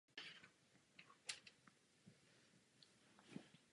Živí se červy a jinými malými bezobratlými.